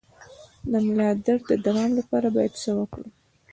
د ملا درد د دوام لپاره باید څه وکړم؟